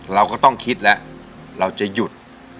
เราก็ต้องคิดแล้วเราจะหยุด